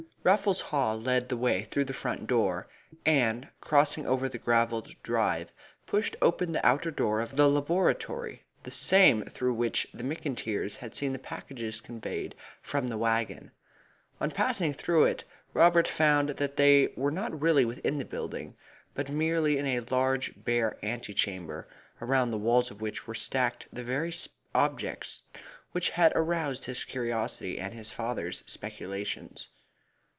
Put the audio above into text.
Raffles Haw led the way through the front door, and crossing over the gravelled drive pushed open the outer door of the laboratory the same through which the McIntyres had seen the packages conveyed from the waggon. On passing through it Robert found that they were not really within the building, but merely in a large bare ante chamber, around the walls of which were stacked the very objects which had aroused his curiosity and his father's speculations.